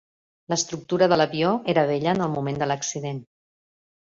L'estructura de l'avió era vella en el moment de l'accident.